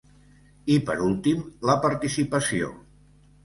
I per últim, la participació.